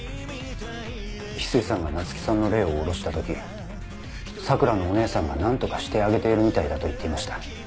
翡翠さんが菜月さんの霊を降ろした時さくらのお姉さんが何とかしてあげているみたいだと言っていました。